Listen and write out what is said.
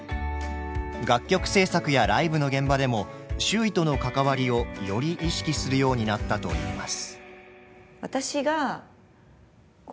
楽曲制作やライブの現場でも周囲との関わりをより意識するようになったといいます。